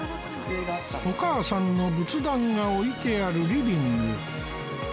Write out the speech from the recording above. お母さんの仏壇が置いてあるリビング